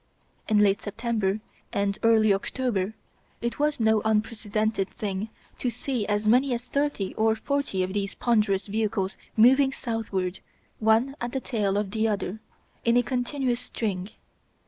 In late September and early October it was no unprecedented thing to see as many as thirty or forty of these ponderous vehicles moving southward, one at the tail of the other, in a continuous string.